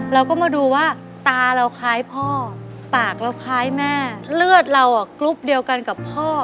เราก็มาดูว่าตาเราคล้ายพ่อปากเราคล้ายแม่เลือดเราอ่ะกรุ๊ปเดียวกันกับพ่อ